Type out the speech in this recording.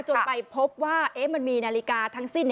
จนไปพบว่ามันมีนาฬิกาทั้งสิ้น